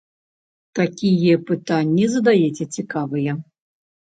Такія пытанні задаеце цікавыя!